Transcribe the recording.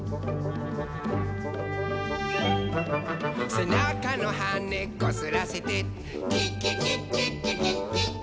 「せなかのはねこすらせて」「キッキキッキッキキッキッキ」